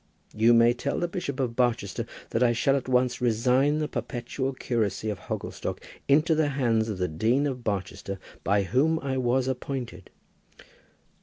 You may tell the Bishop of Barchester that I shall at once resign the perpetual curacy of Hogglestock into the hands of the Dean of Barchester, by whom I was appointed."